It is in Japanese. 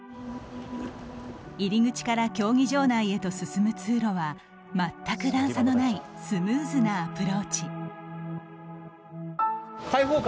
入り口から競技場内へと進む通路は全く段差のないスムーズなアプローチ。